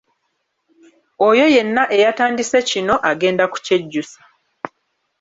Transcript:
Oyo yenna eyatandise kino agenda kukyejjusa.